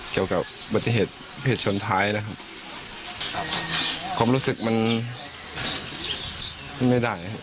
เกี่ยวกับปฏิเหตุปฏิเหตุชนท้ายนะครับความรู้สึกมันไม่ได้ครับ